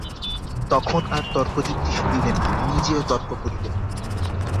তখন আর তর্কযুক্তি শুনিবেন না, নিজেও তর্ক করিবেন না।